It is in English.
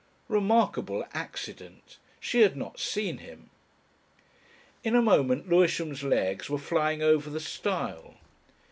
Remarkable accident! She had not seen him! In a moment Lewisham's legs were flying over the stile.